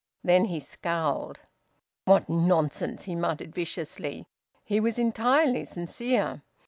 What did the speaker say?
Then he scowled. "What nonsense!" he muttered viciously. He was entirely sincere.